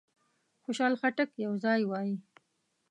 خوشحال خټک یو ځای وایي.